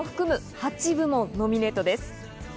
８部門にノミネートです。